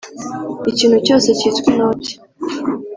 ikintu cyose cyitwa inoti